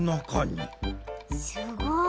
すごい！